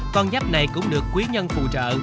con giáp này cũng được quý nhân phụ trợ